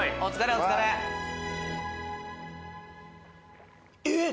お疲れえっ？